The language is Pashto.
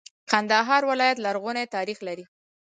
کندهار ولایت لرغونی تاریخ لري.